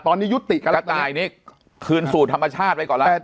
ตอนนี้กระต่ายนี้คืนสูตรธรรมชาติไว้ก่อนแล้ว